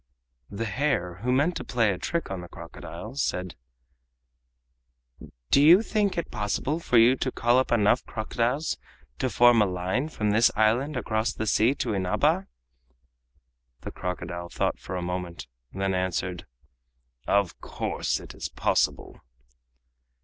The hare, who meant to play a trick on the crocodile, said: "Do you think it possible for you to call up enough crocodiles to form a line from this island across the sea to Inaba?" The crocodile thought for a moment and then answered: "Of course, it is possible."